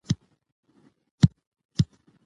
اداري اصلاحات د افغانستان د حکومت د باور لپاره حیاتي دي